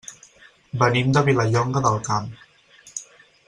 Venim de Vilallonga del Camp.